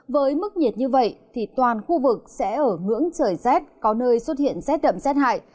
với mức nhiệt như vậy toàn khu vực sẽ ở ngưỡng trời z có nơi xuất hiện z đậm z hại